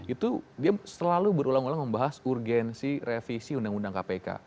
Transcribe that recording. itu dia selalu berulang ulang membahas urgensi revisi undang undang kpk